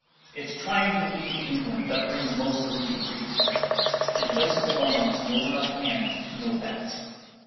It's trying to leave England that brings most of 'em to grief, and Joseph Wilmot's an old enough hand to know that.